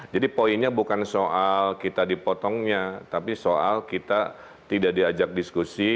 jadi poinnya bukan soal kita dipotongnya tapi soal kita tidak diajak diskusi